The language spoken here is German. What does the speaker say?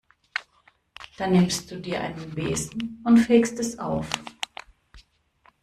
Dann nimmst du dir einen Besen und fegst es auf.